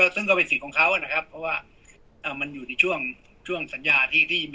ซึ่งก็เป็นสินคมของลานะครับมันอยู่ในช่วงสัญญาที่มีอยู่